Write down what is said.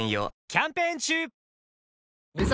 キャンペーン中！